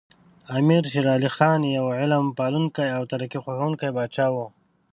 امیر شیر علی خان یو علم پالونکی او ترقي خوښوونکی پاچا و.